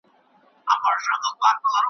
چا نذرونه خیراتونه ایښودله .